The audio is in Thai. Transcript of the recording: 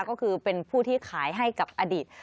ก็คือเป็นผู้ที่ขายให้กับอดีต